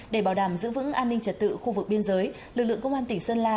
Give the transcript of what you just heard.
để bảo đảm giữ vững an ninh trật tự khu vực biên giới lực lượng công an tỉnh sơn la